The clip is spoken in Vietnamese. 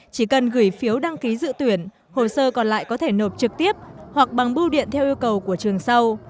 chỉ cần gửi phiếu đăng ký dự tuyển hồ sơ còn lại có thể nộp trực tiếp hoặc bằng bưu điện theo yêu cầu của trường sau